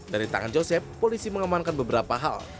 dari tangan joseph polisi mengamankan beberapa hal